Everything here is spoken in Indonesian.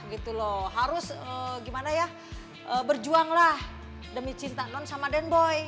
gitu loh harus gimana ya berjuanglah demi cinta non sama den boy